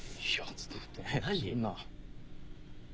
ちょっと待って何？